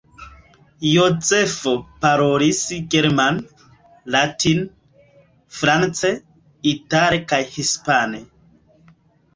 Jozefo parolis germane, latine, france, itale kaj hispane.